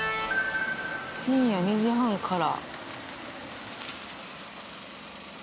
深夜２時半から。